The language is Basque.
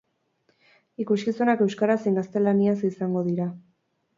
Ikuskizunak euskaraz zein gaztelaniaz izango dira.